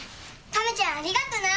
亀ちゃんありがとな。